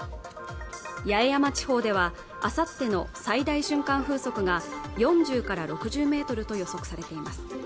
八重山地方ではあさっての最大瞬間風速が４０から６０メートルと予測されています